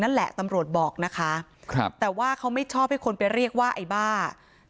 นั่นแหละตำรวจบอกนะคะครับแต่ว่าเขาไม่ชอบให้คนไปเรียกว่าไอ้บ้า